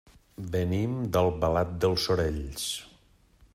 Venim d'Albalat dels Sorells.